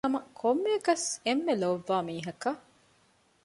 ނޫނަނަމަ ކޮންމެއަކަސް އެންމެ ލޯބިވާ މީހަކަށް